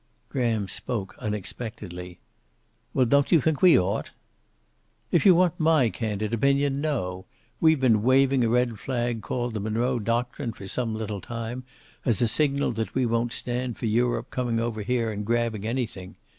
Graham spoke, unexpectedly. "Well, don't you think we ought?" "If you want my candid opinion, no. We've been waving a red flag called the Monroe Doctrine for some little time, as a signal that we won't stand for Europe coming over here and grabbing anything.